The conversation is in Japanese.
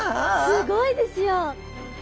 すごいですよ。